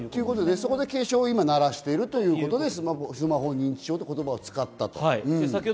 そこで警鐘を鳴らしてるんだね、スマホ認知症という言葉を使ったと。